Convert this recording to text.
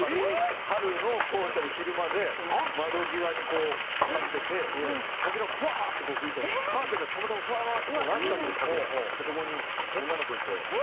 春の校舎で昼間で窓際で立ってて風がふわっと吹いたらカーテンがふわっとなってそこに女の子がいて。